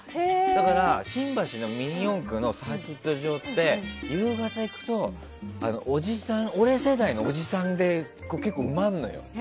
だから、新橋のミニ四駆のサーキット場って夕方行くと、俺世代のおじさんで結構、埋まるのよ。